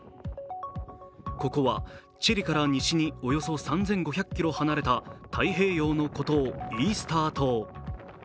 ここはチリから西におよそ３５００ｋｍ離れた太平洋の孤島・イースター島。